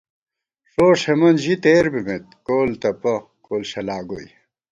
ݭوݭ ہېمن ژِی تېر بِمېت، کول تَپہ کول شلاگوئی